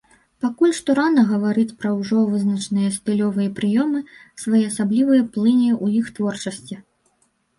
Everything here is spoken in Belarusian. Пакуль што рана гаварыць пра ўжо вызначаныя стылёвыя прыёмы, своеасаблівыя плыні ў іх творчасці.